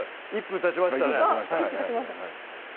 １分たちました